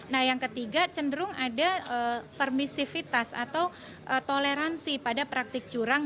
nah yang ketiga cenderung ada permisifitas atau toleransi pada praktik curang